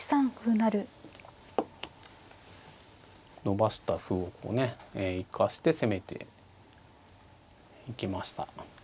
伸ばした歩を生かして攻めていきました。